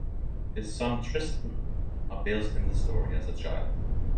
His son Tristan appears in the story as a child.